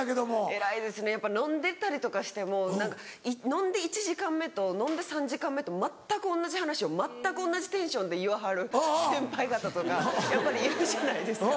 偉いですねやっぱ飲んでたりとかしても何か飲んで１時間目と飲んで３時間目と全く同じ話を全く同じテンションで言わはる先輩方とかやっぱりいるじゃないですか。